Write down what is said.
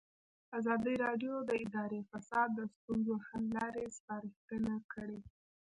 ازادي راډیو د اداري فساد د ستونزو حل لارې سپارښتنې کړي.